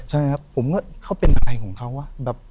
ใช่ครับผมก็เขาเป็นอะไรของเขา